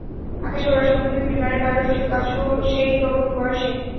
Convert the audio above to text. আকাশে ওড়ার স্বপ্ন থেকে বিমানের পাইলট হিসেবে কাজ শুরু সেই তরুণ বয়সে।